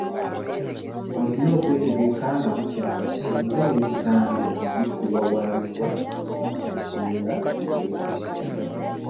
Olina okwetegeka nga bukyali singa emisango giwaabibwa ne gikusanga nga weetegese ekimala.